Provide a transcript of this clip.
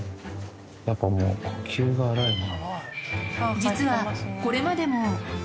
やっぱもう呼吸が荒いな。